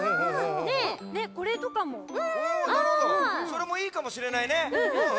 それもいいかもしれないね。